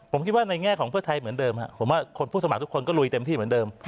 ผมคิดว่าในแง่ของเพื่อไทยเหมือนเดิมครับผมว่าคนผู้สมัครทุกคนก็ลุยเต็มที่เหมือนเดิม